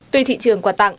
tuy thị trường quà tặng